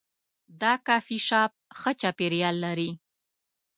دا کافي شاپ ښه چاپیریال لري.